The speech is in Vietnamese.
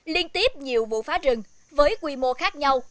liên tiếp nhiều vụ phá rừng với quy mô khác nhau